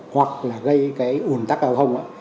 hoặc là gây cái ủn tắc giao thông